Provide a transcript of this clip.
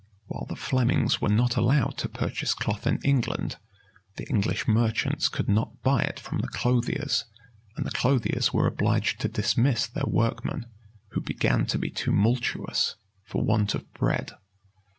While the Flemings were not allowed to purchase cloth in England, the English merchants could not buy it from the clothiers, and the clothiers were obliged to dismiss their workmen, who began to be tumultuous for want of bread.